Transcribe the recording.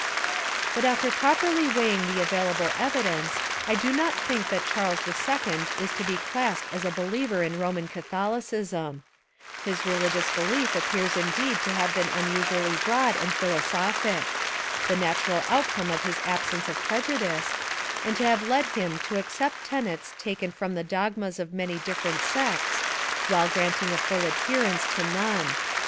But after properly weighing the available evidence I do not think that Charles II Is to be classed as a believer In Roman Catholicism. 302 A Rehabilitation of Charles II His religious belief appears indeed to have been unusually broad and philosophic, — the natural outcome of his absence of prejudice, — and to have led him to accept tenets taken from the dogmas of many different sects while granting a full adherence to none.